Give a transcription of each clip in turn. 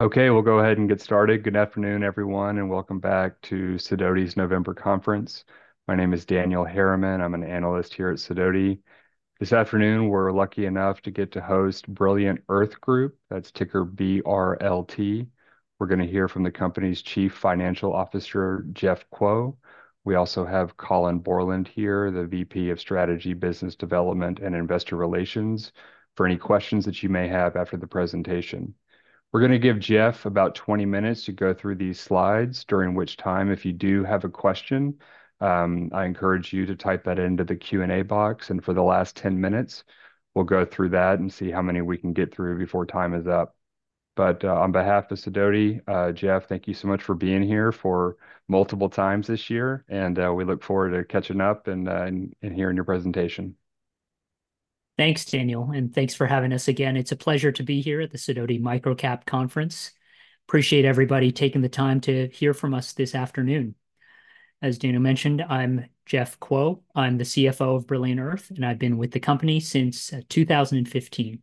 Okay, we'll go ahead and get started. Good afternoon, everyone, and welcome back to Sidoti's November Conference. My name is Daniel Harriman. I'm an analyst here at Sidoti. This afternoon, we're lucky enough to get to host Brilliant Earth Group. That's ticker BRLT. We're going to hear from the company's Chief Financial Officer, Jeff Kuo. We also have Colin Bourland here, the VP of Strategy, Business Development, and Investor Relations, for any questions that you may have after the presentation. We're going to give Jeff about 20 minutes to go through these slides, during which time, if you do have a question, I encourage you to type that into the Q&A box, and for the last 10 minutes, we'll go through that and see how many we can get through before time is up. On behalf of Sidoti, Jeff, thank you so much for being here multiple times this year, and we look forward to catching up and hearing your presentation. Thanks, Daniel, and thanks for having us again. It's a pleasure to be here at the Sidoti Microcap Conference. Appreciate everybody taking the time to hear from us this afternoon. As Daniel mentioned, I'm Jeff Kuo. I'm the CFO of Brilliant Earth, and I've been with the company since 2015.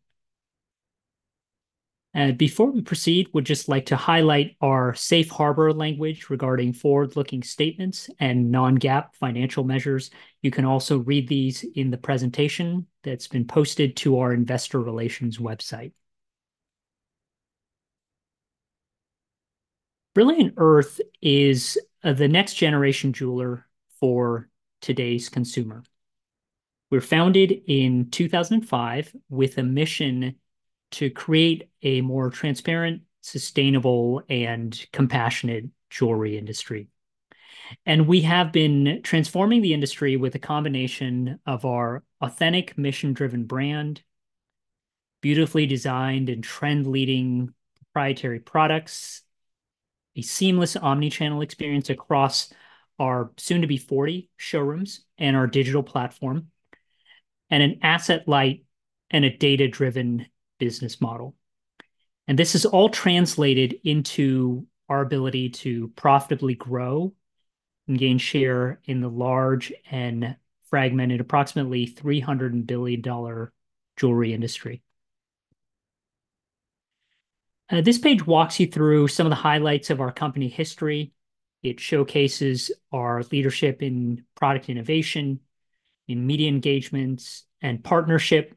Before we proceed, we'd just like to highlight our safe harbor language regarding forward-looking statements and non-GAAP financial measures. You can also read these in the presentation that's been posted to our Investor Relations website. Brilliant Earth is the next-generation jeweler for today's consumer. We were founded in 2005 with a mission to create a more transparent, sustainable, and compassionate jewelry industry. We have been transforming the industry with a combination of our authentic, mission-driven brand, beautifully designed and trend-leading proprietary products, a seamless omnichannel experience across our soon-to-be 40 showrooms and our digital platform, and an asset light and a data-driven business model. This is all translated into our ability to profitably grow and gain share in the large and fragmented, approximately $300 billion jewelry industry. This page walks you through some of the highlights of our company history. It showcases our leadership in product innovation, in media engagements, and partnership,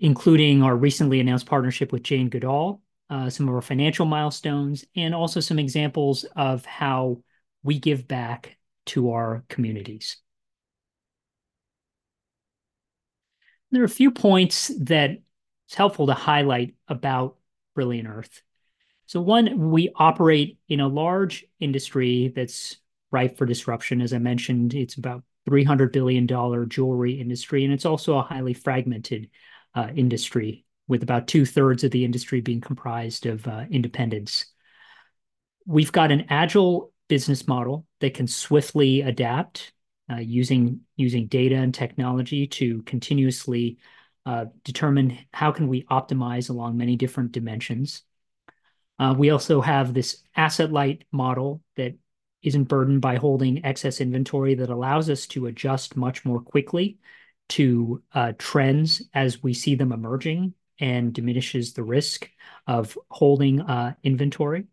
including our recently announced partnership with Jane Goodall, some of our financial milestones, and also some examples of how we give back to our communities. There are a few points that it's helpful to highlight about Brilliant Earth. One, we operate in a large industry that's ripe for disruption. As I mentioned, it's about a $300 billion jewelry industry, and it's also a highly fragmented industry, with about two-thirds of the industry being comprised of independents. We've got an agile business model that can swiftly adapt using data and technology to continuously determine how can we optimize along many different dimensions. We also have this asset light model that isn't burdened by holding excess inventory that allows us to adjust much more quickly to trends as we see them emerging and diminishes the risk of holding inventory,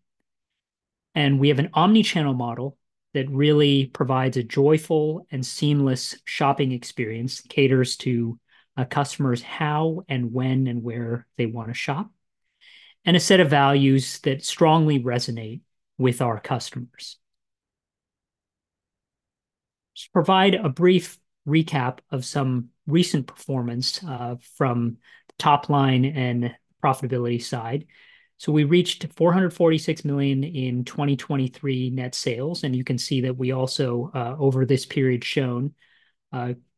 and we have an omnichannel model that really provides a joyful and seamless shopping experience, caters to customers' how and when and where they want to shop, and a set of values that strongly resonate with our customers. To provide a brief recap of some recent performance from the top line and profitability side. We reached $446 million in 2023 net sales, and you can see that we also, over this period shown,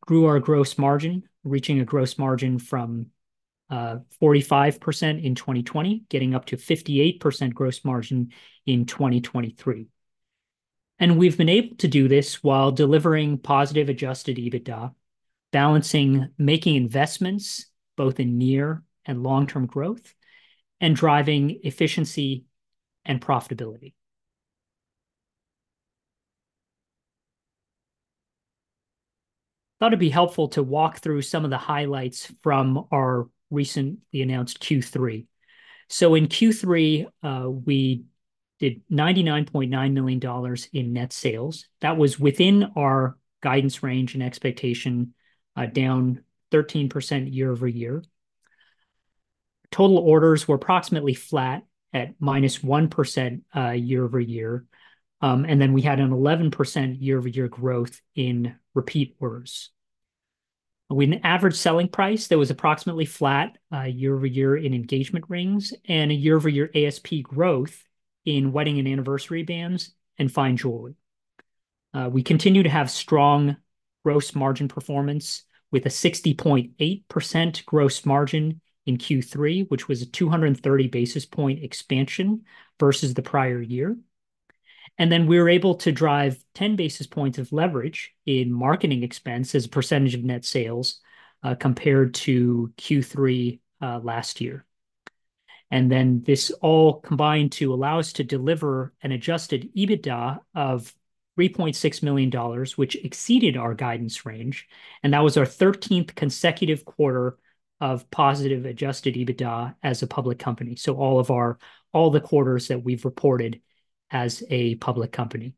grew our gross margin, reaching a gross margin from 45% in 2020, getting up to 58% gross margin in 2023. And we've been able to do this while delivering positive adjusted EBITDA, balancing making investments both in near and long-term growth, and driving efficiency and profitability. I thought it'd be helpful to walk through some of the highlights from our recently announced Q3. So in Q3, we did $99.9 million in net sales. That was within our guidance range and expectation, down 13% year over year. Total orders were approximately flat at minus 1% year over year. And then we had an 11% year over year growth in repeat orders. With an average selling price that was approximately flat year over year in engagement rings and a year over year ASP growth in wedding and anniversary bands and fine jewelry. We continue to have strong gross margin performance with a 60.8% gross margin in Q3, which was a 230 basis points expansion versus the prior year. And then we were able to drive 10 basis points of leverage in marketing expense as a percentage of net sales compared to Q3 last year. And then this all combined to allow us to deliver an adjusted EBITDA of $3.6 million, which exceeded our guidance range. And that was our 13th consecutive quarter of positive adjusted EBITDA as a public company. So all the quarters that we've reported as a public company.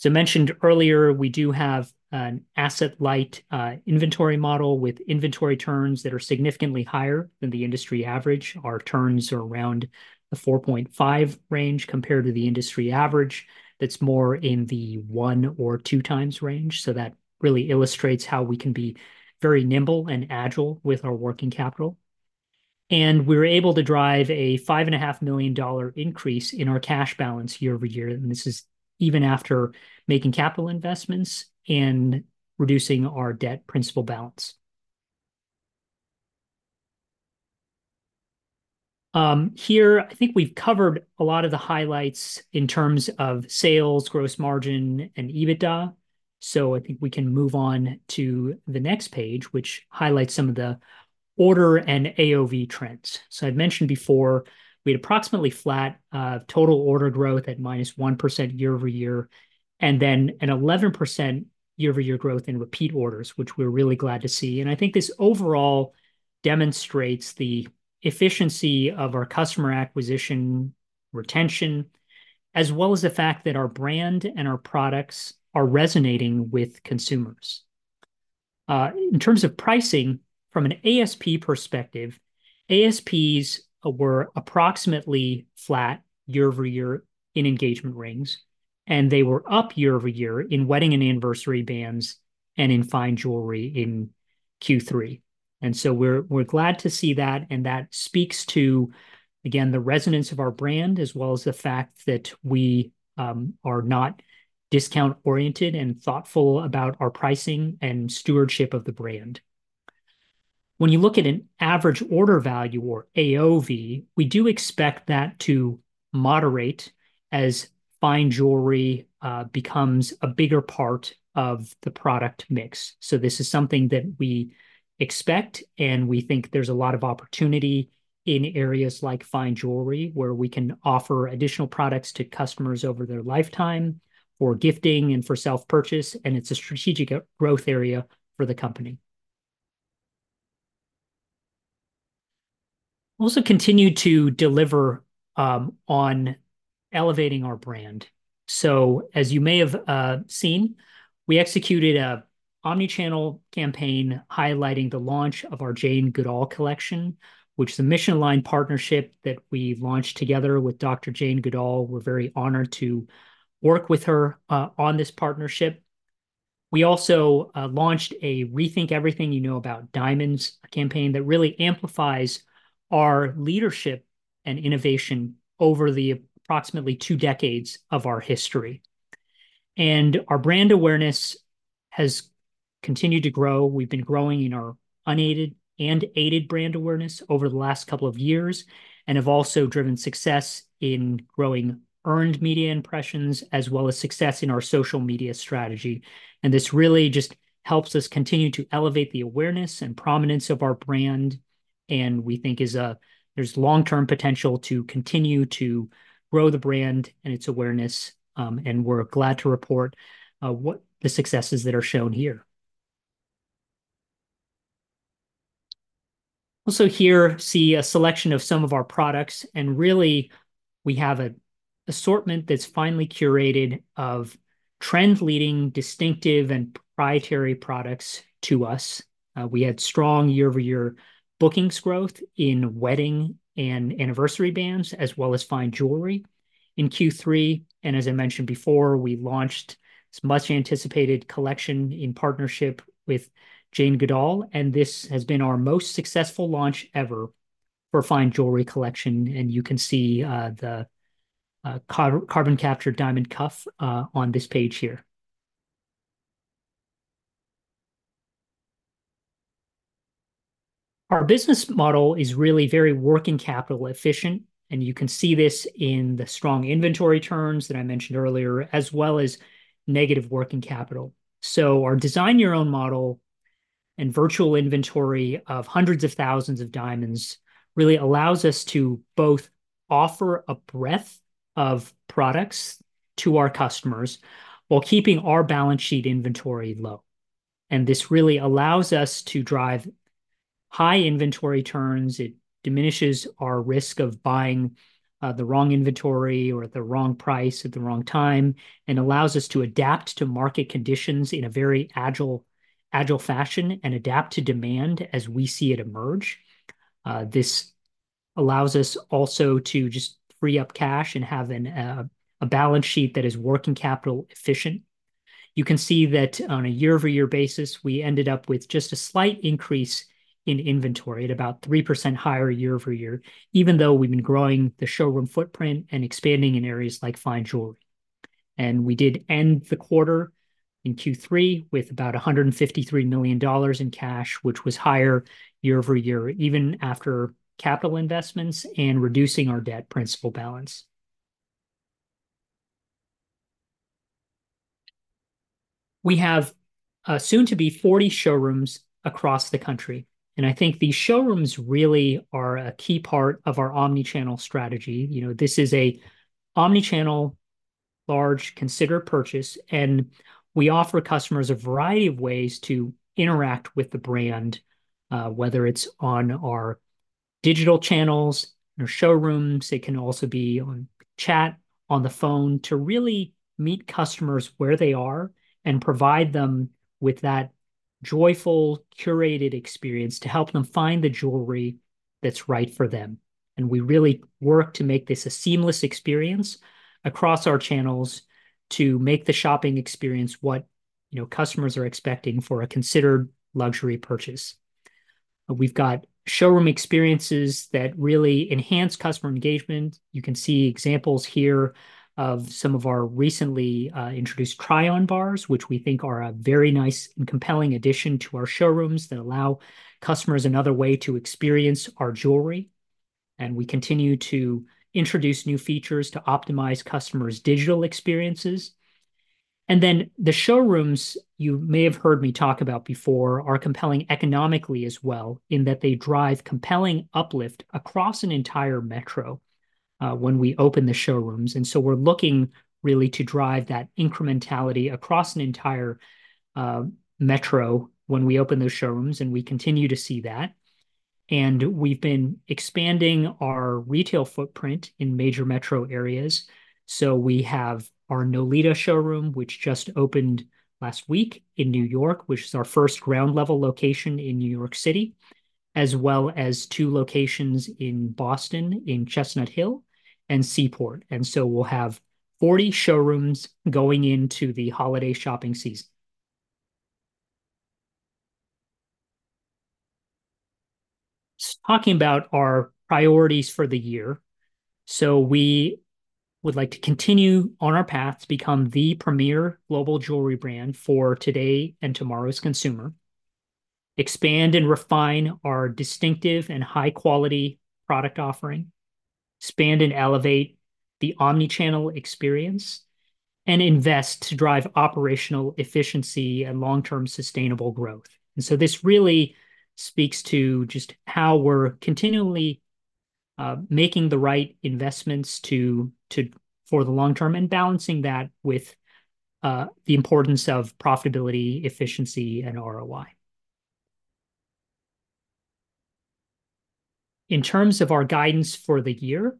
As I mentioned earlier, we do have an asset light inventory model with inventory turns that are significantly higher than the industry average. Our turns are around the 4.5 range compared to the industry average. That's more in the one or two times range. So that really illustrates how we can be very nimble and agile with our working capital, and we were able to drive a $5.5 million increase in our cash balance year over year. And this is even after making capital investments and reducing our debt principal balance. Here, I think we've covered a lot of the highlights in terms of sales, gross margin, and EBITDA, so I think we can move on to the next page, which highlights some of the order and AOV trends. So I've mentioned before we had approximately flat total order growth at minus 1% year over year, and then an 11% year over year growth in repeat orders, which we're really glad to see. And I think this overall demonstrates the efficiency of our customer acquisition retention, as well as the fact that our brand and our products are resonating with consumers. In terms of pricing, from an ASP perspective, ASPs were approximately flat year over year in engagement rings, and they were up year over year in wedding and anniversary bands and in fine jewelry in Q3. And so we're glad to see that. And that speaks to, again, the resonance of our brand, as well as the fact that we are not discount-oriented and thoughtful about our pricing and stewardship of the brand. When you look at an average order value or AOV, we do expect that to moderate as fine jewelry becomes a bigger part of the product mix. So this is something that we expect, and we think there's a lot of opportunity in areas like fine jewelry where we can offer additional products to customers over their lifetime for gifting and for self-purchase. And it's a strategic growth area for the company. We also continue to deliver on elevating our brand. So as you may have seen, we executed an omnichannel campaign highlighting the launch of our Jane Goodall Collection, which is a mission-aligned partnership that we launched together with Dr. Jane Goodall. We're very honored to work with her on this partnership. We also launched a "Rethink Everything You Know About Diamonds" campaign that really amplifies our leadership and innovation over the approximately two decades of our history. Our brand awareness has continued to grow. We've been growing in our unaided and aided brand awareness over the last couple of years and have also driven success in growing earned media impressions, as well as success in our social media strategy. And this really just helps us continue to elevate the awareness and prominence of our brand. And we think there's long-term potential to continue to grow the brand and its awareness. And we're glad to report what the successes that are shown here. Also here, see a selection of some of our products. And really, we have an assortment that's finely curated of trend-leading, distinctive, and proprietary products to us. We had strong year-over-year bookings growth in wedding and anniversary bands, as well as fine jewelry in Q3. And as I mentioned before, we launched this much-anticipated collection in partnership with Jane Goodall. And this has been our most successful launch ever for fine jewelry collection. And you can see the carbon-captured diamond cuff on this page here. Our business model is really very working capital efficient. And you can see this in the strong inventory turns that I mentioned earlier, as well as negative working capital. So our design-your-own model and virtual inventory of hundreds of thousands of diamonds really allows us to both offer a breadth of products to our customers while keeping our balance sheet inventory low. And this really allows us to drive high inventory turns. It diminishes our risk of buying the wrong inventory or at the wrong price at the wrong time and allows us to adapt to market conditions in a very agile fashion and adapt to demand as we see it emerge. This allows us also to just free up cash and have a balance sheet that is working capital efficient. You can see that on a year-over-year basis, we ended up with just a slight increase in inventory at about 3% higher year over year, even though we've been growing the showroom footprint and expanding in areas like fine jewelry. And we did end the quarter in Q3 with about $153 million in cash, which was higher year over year, even after capital investments and reducing our debt principal balance. We have soon to be 40 showrooms across the country. And I think these showrooms really are a key part of our omnichannel strategy. This is an omnichannel, large consider purchase. And we offer customers a variety of ways to interact with the brand, whether it's on our digital channels, in our showrooms. It can also be on chat, on the phone to really meet customers where they are and provide them with that joyful, curated experience to help them find the jewelry that's right for them. And we really work to make this a seamless experience across our channels to make the shopping experience what customers are expecting for a considered luxury purchase. We've got showroom experiences that really enhance customer engagement. You can see examples here of some of our recently introduced try-on bars, which we think are a very nice and compelling addition to our showrooms that allow customers another way to experience our jewelry. And we continue to introduce new features to optimize customers' digital experiences. And then the showrooms you may have heard me talk about before are compelling economically as well in that they drive compelling uplift across an entire metro when we open the showrooms. And so we're looking really to drive that incrementality across an entire metro when we open those showrooms. And we continue to see that. And we've been expanding our retail footprint in major metro areas. So we have our Nolita showroom, which just opened last week in New York, which is our first ground-level location in New York City, as well as two locations in Boston in Chestnut Hill and Seaport. And so we'll have 40 showrooms going into the holiday shopping season. Talking about our priorities for the year. So we would like to continue on our path to become the premier global jewelry brand for today and tomorrow's consumer, expand and refine our distinctive and high-quality product offering, expand and elevate the omnichannel experience, and invest to drive operational efficiency and long-term sustainable growth. This really speaks to just how we're continually making the right investments for the long term and balancing that with the importance of profitability, efficiency, and ROI. In terms of our guidance for the year,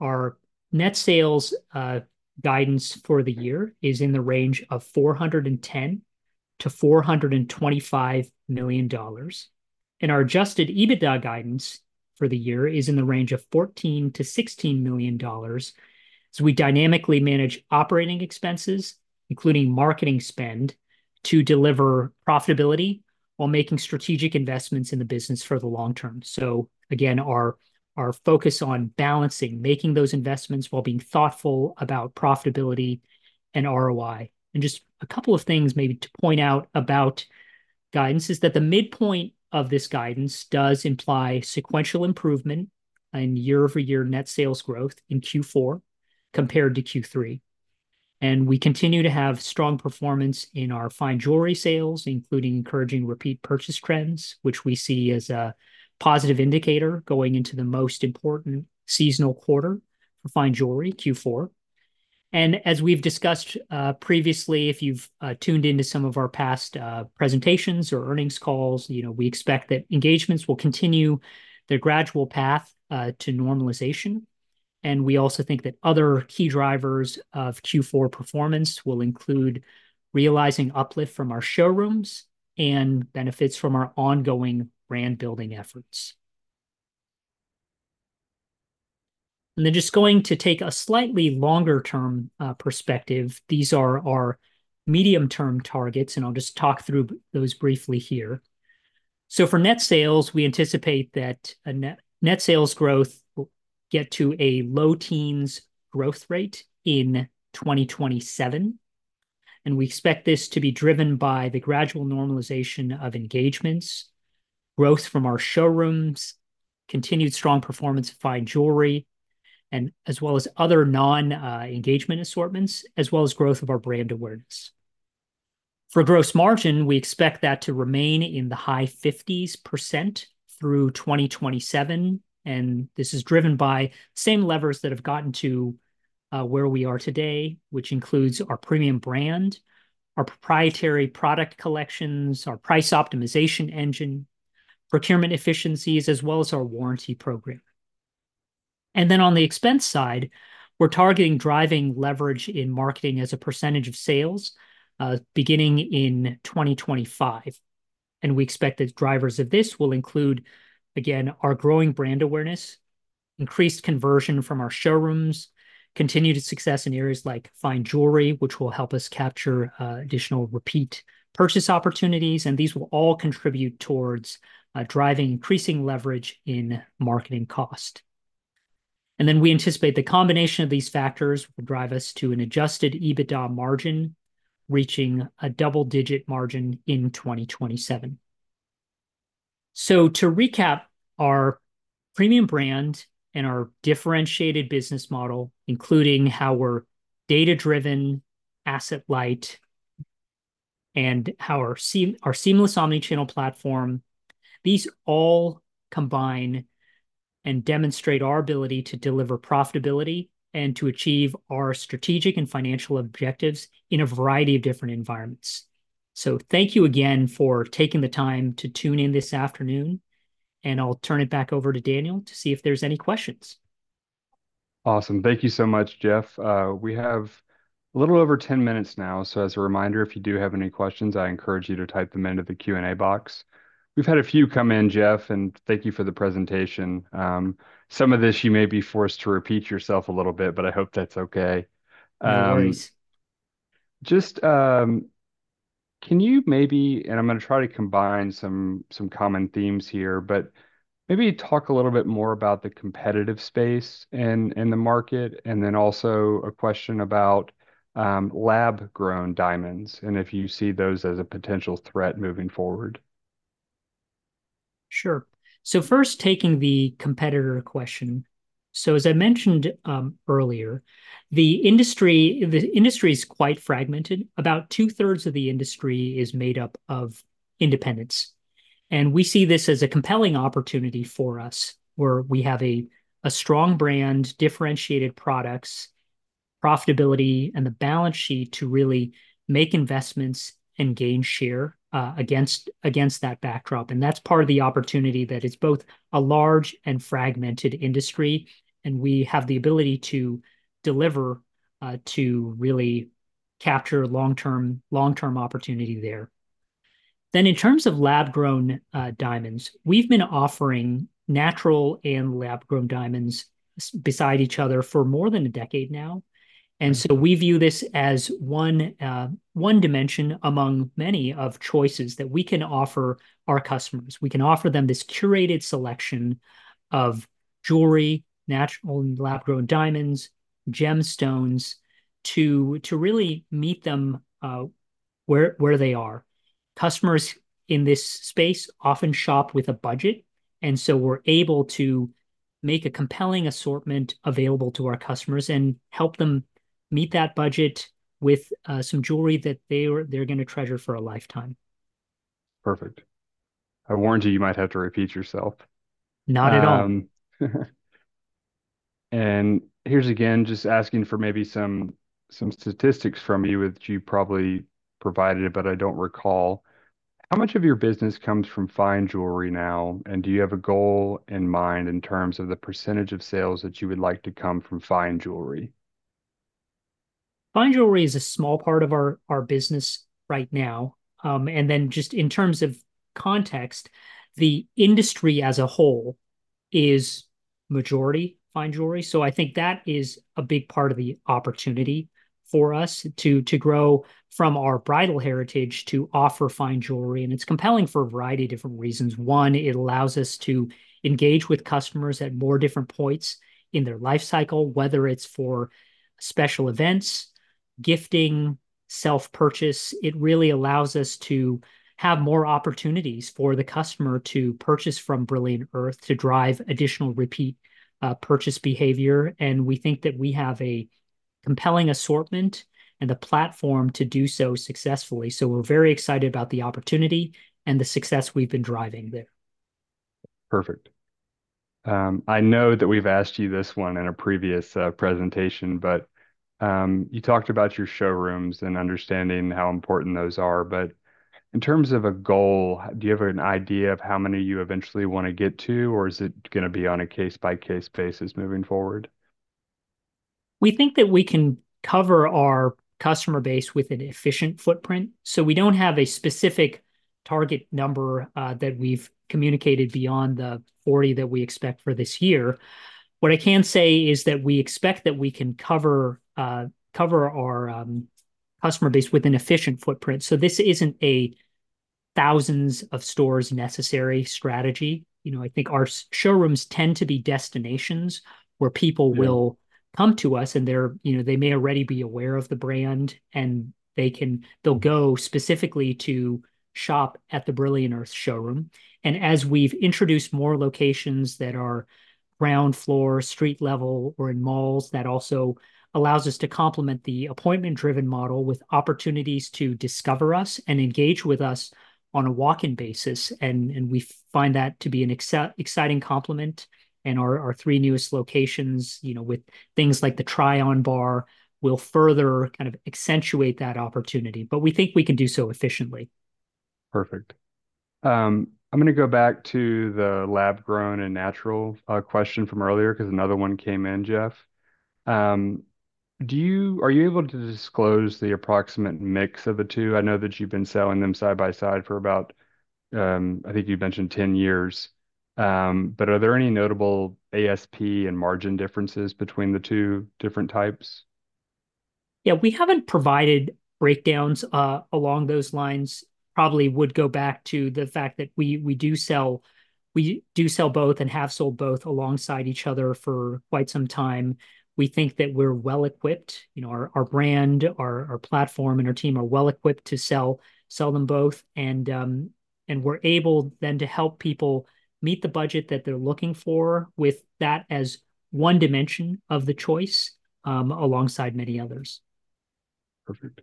our net sales guidance for the year is in the range of $410 to $425 million. And our adjusted EBITDA guidance for the year is in the range of $14 to $16 million. So we dynamically manage operating expenses, including marketing spend, to deliver profitability while making strategic investments in the business for the long term. So again, our focus on balancing, making those investments while being thoughtful about profitability and ROI. And just a couple of things maybe to point out about guidance is that the midpoint of this guidance does imply sequential improvement in year-over-year net sales growth in Q4 compared to Q3. We continue to have strong performance in our fine jewelry sales, including encouraging repeat purchase trends, which we see as a positive indicator going into the most important seasonal quarter for fine jewelry, Q4. As we've discussed previously, if you've tuned into some of our past presentations or earnings calls, we expect that engagements will continue their gradual path to normalization. We also think that other key drivers of Q4 performance will include realizing uplift from our showrooms and benefits from our ongoing brand-building efforts. Then just going to take a slightly longer-term perspective, these are our medium-term targets. I'll just talk through those briefly here. For net sales, we anticipate that net sales growth will get to a low teens growth rate in 2027. We expect this to be driven by the gradual normalization of engagements, growth from our showrooms, continued strong performance of fine jewelry, and as well as other non-engagement assortments, as well as growth of our brand awareness. For gross margin, we expect that to remain in the high 50s% through 2027. This is driven by the same levers that have gotten to where we are today, which includes our premium brand, our proprietary product collections, our price optimization engine, procurement efficiencies, as well as our warranty program. Then on the expense side, we're targeting driving leverage in marketing as a percentage of sales beginning in 2025. We expect that drivers of this will include, again, our growing brand awareness, increased conversion from our showrooms, continued success in areas like fine jewelry, which will help us capture additional repeat purchase opportunities. These will all contribute towards driving increasing leverage in marketing cost. Then we anticipate the combination of these factors will drive us to an Adjusted EBITDA margin reaching a double-digit margin in 2027. To recap, our premium brand and our differentiated business model, including how we're data-driven, asset-light, and how our seamless omnichannel platform, these all combine and demonstrate our ability to deliver profitability and to achieve our strategic and financial objectives in a variety of different environments. Thank you again for taking the time to tune in this afternoon. I'll turn it back over to Daniel to see if there's any questions. Awesome. Thank you so much, Jeff. We have a little over 10 minutes now. As a reminder, if you do have any questions, I encourage you to type them into the Q&A box. We've had a few come in, Jeff, and thank you for the presentation. Some of this, you may be forced to repeat yourself a little bit, but I hope that's okay. No worries. Just can you maybe, and I'm going to try to combine some common themes here, but maybe talk a little bit more about the competitive space in the market and then also a question about lab-grown diamonds and if you see those as a potential threat moving forward. Sure. So first, taking the competitor question. So as I mentioned earlier, the industry is quite fragmented. About 2/3 of the industry is made up of independents. And we see this as a compelling opportunity for us where we have a strong brand, differentiated products, profitability, and the balance sheet to really make investments and gain share against that backdrop. That's part of the opportunity that it's both a large and fragmented industry. We have the ability to deliver to really capture long-term opportunity there. In terms of lab-grown diamonds, we've been offering natural and lab-grown diamonds beside each other for more than a decade now. We view this as one dimension among many of choices that we can offer our customers. We can offer them this curated selection of jewelry, natural and lab-grown diamonds, gemstones to really meet them where they are. Customers in this space often shop with a budget. We're able to make a compelling assortment available to our customers and help them meet that budget with some jewelry that they're going to treasure for a lifetime. Perfect. I warned you you might have to repeat yourself. Not at all. Here's again, just asking for maybe some statistics from you, which you probably provided, but I don't recall. How much of your business comes from fine jewelry now? And do you have a goal in mind in terms of the percentage of sales that you would like to come from fine jewelry? Fine jewelry is a small part of our business right now. And then just in terms of context, the industry as a whole is majority fine jewelry. So I think that is a big part of the opportunity for us to grow from our bridal heritage to offer fine jewelry. And it's compelling for a variety of different reasons. One, it allows us to engage with customers at more different points in their life cycle, whether it's for special events, gifting, self-purchase. It really allows us to have more opportunities for the customer to purchase from Brilliant Earth to drive additional repeat purchase behavior, and we think that we have a compelling assortment and the platform to do so successfully, so we're very excited about the opportunity and the success we've been driving there. Perfect. I know that we've asked you this one in a previous presentation, but you talked about your showrooms and understanding how important those are, but in terms of a goal, do you have an idea of how many you eventually want to get to, or is it going to be on a case-by-case basis moving forward? We think that we can cover our customer base with an efficient footprint, so we don't have a specific target number that we've communicated beyond the 40 that we expect for this year. What I can say is that we expect that we can cover our customer base with an efficient footprint, so this isn't a thousands of stores necessary strategy. I think our showrooms tend to be destinations where people will come to us, and they may already be aware of the brand, and they'll go specifically to shop at the Brilliant Earth showroom, and as we've introduced more locations that are ground floor, street level, or in malls, that also allows us to complement the appointment-driven model with opportunities to discover us and engage with us on a walk-in basis, and we find that to be an exciting complement, and our three newest locations with things like the try-on bar will further kind of accentuate that opportunity, but we think we can do so efficiently. Perfect. I'm going to go back to the lab-grown and natural question from earlier because another one came in, Jeff. Are you able to disclose the approximate mix of the two? I know that you've been selling them side by side for about, I think you've mentioned 10 years. But are there any notable ASP and margin differences between the two different types? Yeah, we haven't provided breakdowns along those lines. Probably would go back to the fact that we do sell both and have sold both alongside each other for quite some time. We think that we're well-equipped. Our brand, our platform, and our team are well-equipped to sell them both, and we're able then to help people meet the budget that they're looking for with that as one dimension of the choice alongside many others. Perfect.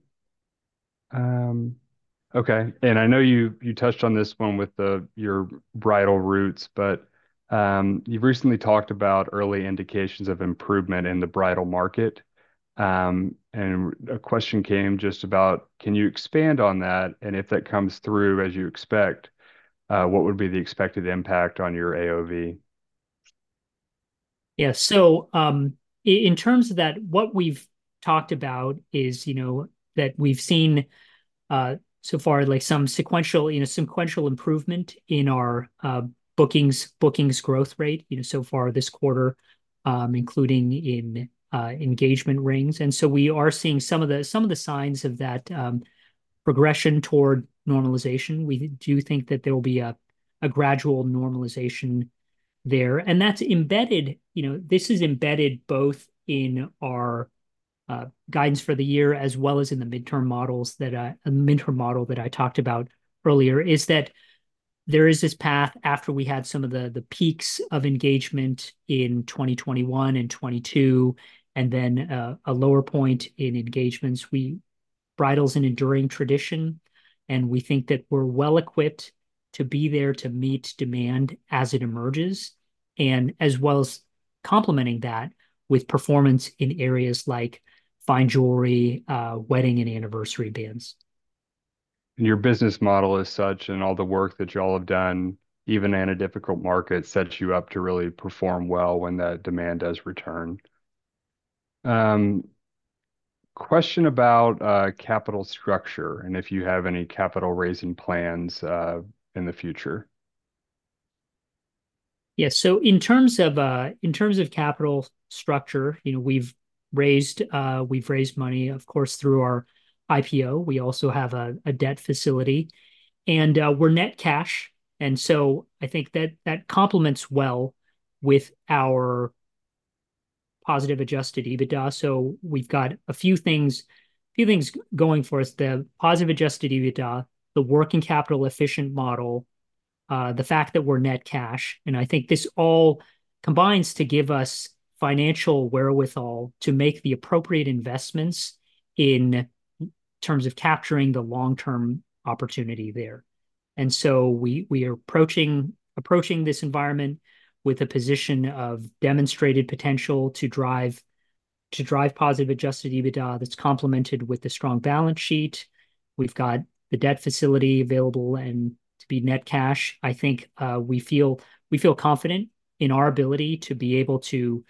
Okay. And I know you touched on this one with your bridal roots, but you've recently talked about early indications of improvement in the bridal market. And a question came just about, can you expand on that? And if that comes through, as you expect, what would be the expected impact on your AOV? Yeah. So in terms of that, what we've talked about is that we've seen so far some sequential improvement in our bookings growth rate so far this quarter, including in engagement rings. And so we are seeing some of the signs of that progression toward normalization. We do think that there will be a gradual normalization there. This is embedded both in our guidance for the year as well as in the midterm model that I talked about earlier, is that there is this path after we had some of the peaks of engagement in 2021 and 2022, and then a lower point in engagements. Bridal is an enduring tradition, and we think that we're well-equipped to be there to meet demand as it emerges, and as well as complementing that with performance in areas like fine jewelry, wedding, and anniversary bands. Your business model is such, and all the work that y'all have done, even in a difficult market, sets you up to really perform well when that demand does return. Question about capital structure and if you have any capital raising plans in the future? Yeah. In terms of capital structure, we've raised money, of course, through our IPO. We also have a debt facility, and we're net cash, and so I think that complements well with our positive Adjusted EBITDA, so we've got a few things going for us: the positive Adjusted EBITDA, the working capital efficient model, the fact that we're net cash, and I think this all combines to give us financial wherewithal to make the appropriate investments in terms of capturing the long-term opportunity there, and so we are approaching this environment with a position of demonstrated potential to drive positive Adjusted EBITDA that's complemented with the strong balance sheet. We've got the debt facility available to be net cash. I think we feel confident in our ability to be able to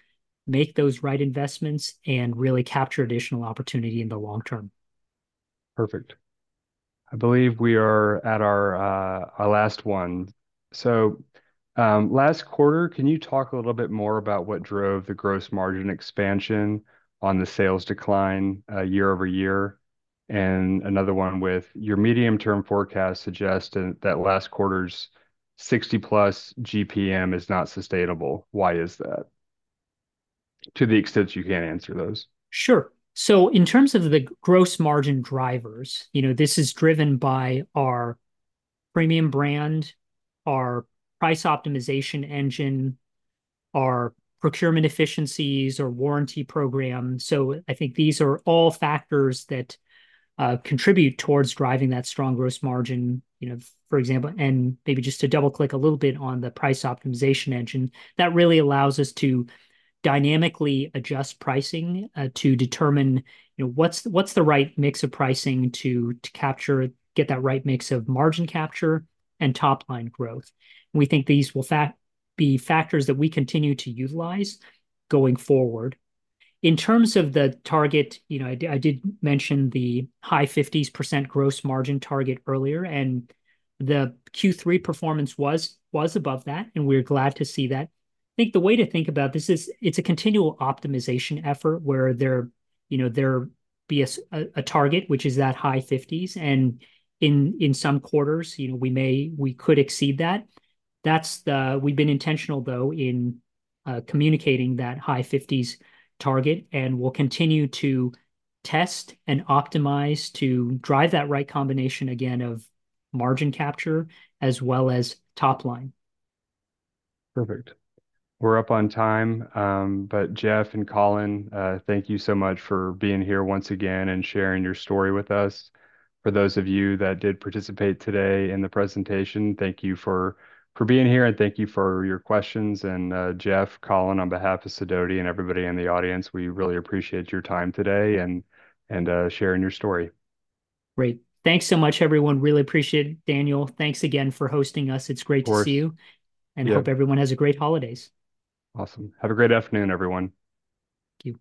make those right investments and really capture additional opportunity in the long term. Perfect. I believe we are at our last one. So last quarter, can you talk a little bit more about what drove the gross margin expansion on the sales decline year over year? And another one, with your medium-term forecast suggests that last quarter's 60-plus GPM is not sustainable. Why is that? To the extent you can answer those. Sure. So in terms of the gross margin drivers, this is driven by our premium brand, our price optimization engine, our procurement efficiencies, our warranty program. So I think these are all factors that contribute towards driving that strong gross margin, for example. And maybe just to double-click a little bit on the price optimization engine, that really allows us to dynamically adjust pricing to determine what's the right mix of pricing to get that right mix of margin capture and top-line growth. We think these will be factors that we continue to utilize going forward. In terms of the target, I did mention the high 50% gross margin target earlier, and the Q3 performance was above that, and we're glad to see that. I think the way to think about this is it's a continual optimization effort where there'll be a target, which is that high 50s. And in some quarters, we could exceed that. We've been intentional, though, in communicating that high 50s target, and we'll continue to test and optimize to drive that right combination again of margin capture as well as top-line. Perfect. We're up on time. But Jeff and Colin, thank you so much for being here once again and sharing your story with us. For those of you that did participate today in the presentation, thank you for being here, and thank you for your questions. Jeff, Colin, on behalf of Sidoti and everybody in the audience, we really appreciate your time today and sharing your story. Great. Thanks so much, everyone. Really appreciate it, Daniel. Thanks again for hosting us. It's great to see you. I hope everyone has a great holidays. Awesome. Have a great afternoon, everyone. You too.